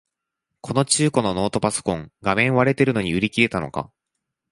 この中古のノートパソコン、画面割れてるのに売り切れたのか